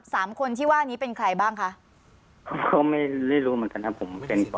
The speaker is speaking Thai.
สามคนที่ว่านี้เป็นใครบ้างค่ะเขาไม่ไม่รู้เหมือนกันครับผม